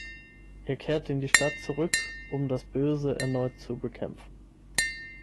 Er kehrt in die Stadt zurück um das Böse erneut zu bekämpfen.